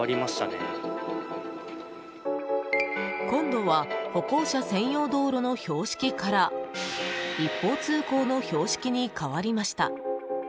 今度は歩行者専用道路の標識から一方通行の標識に変わりました。